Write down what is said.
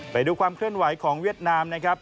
ไปดูความเคลื่อนไหวของเวียดนามนะครับ